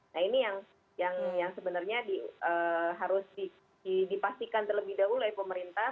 nah ini yang sebenarnya harus dipastikan terlebih dahulu oleh pemerintah